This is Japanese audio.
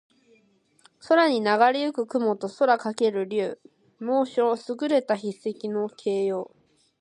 空にながれ行く雲と空翔ける竜。能書（すぐれた筆跡）の形容。